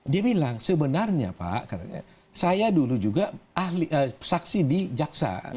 dia bilang sebenarnya pak saya dulu juga saksi di jaksa